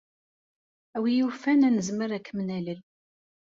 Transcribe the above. A win yufan, ad nezmer ad kem-nalel.